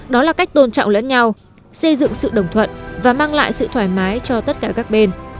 đó là cách tôn trọng lẫn nhau xây dựng sự đồng thuận và mang lại sự thoải mái cho tất cả các bên